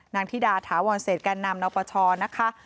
ธิดาถาวรเศษแก่นนำนปชนะคะ